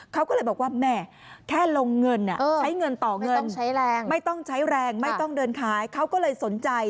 เขาก็เลยบอกว่าแม่แค่ลงเงินใช้เงินต่อเงิน